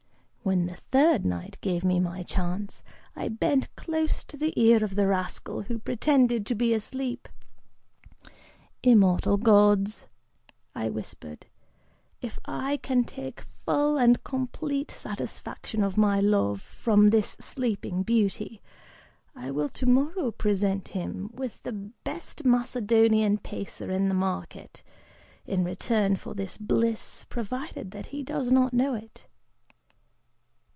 When the third night gave me my chance, I bent close to the ear of the rascal, who pretended to be asleep. 'Immortal gods,' I whispered, 'if I can take full and complete satisfaction of my love, from this sleeping beauty, I will tomorrow present him with the best Macedonian pacer in the market, in return for this bliss, provided that he does not know it.